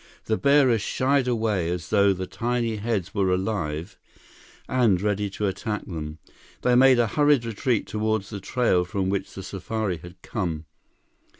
The bearers shied away as though the tiny heads were alive and ready to attack them. They made a hurried retreat toward the trail from which the safari had come.